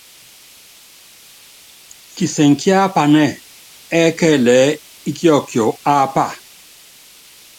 Kisɛŋɛ kíápanɛ́ ɛ́kɛlɛ ɛ́ɛ́ íkiɔkiɔ ápa.